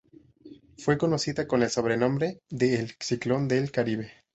Fue conocida con el sobrenombre de "El Ciclón del Caribe".